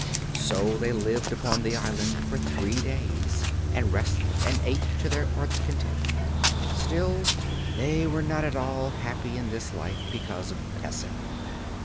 So they lived upon the island for three days, and rested and ate to their hearts' content. Still, they were not at all happy in this life because of Pessim.